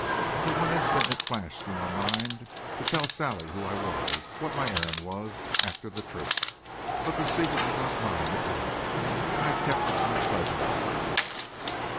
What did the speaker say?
For one instant it flashed through my mind to tell Sally who I was, what my errand was, after the truth. But the secret was not mine to tell. And I kept my pledges.